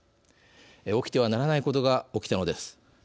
起きてはならないことが起きたのです。